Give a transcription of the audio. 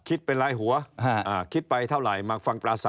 คิดเป็นลายหัวคิดไปเท่าไหร่มาฟังปราศาส